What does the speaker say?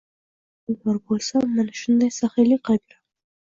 Men ham puldor bo`lsam mana shunday saxiylik qilib yuraman